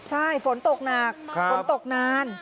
ใช่ฝนตกหนักฝนตกนาน